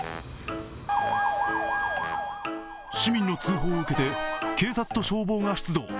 市民の通報を受けて警察と消防が出動。